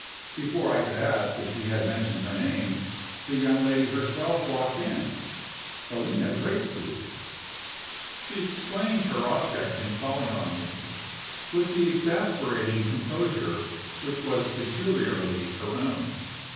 Before I could ask if she had mentioned her name, the young lady herself walked in Helena Gracedieu. She explained her object in calling on me, with the exasperating composure which was peculiarly her own.